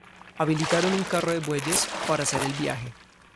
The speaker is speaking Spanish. Habilitaron un carro de bueyes, para hacer el viaje.